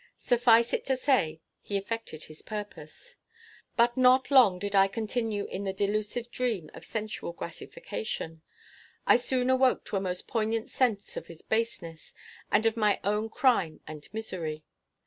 Suffice it to say, he effected his purpose. But not long did I continue in the delusive dream of sensual gratification. I soon awoke to a most poignant sense of his baseness, and of my own crime and misery.